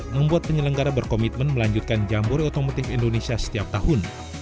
membuat penyelenggara berkomitmen melanjutkan jambore otomotif indonesia setiap tahun